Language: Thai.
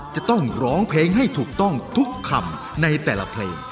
จะต้องร้องเพลงให้ถูกต้องทุกคำในแต่ละเพลง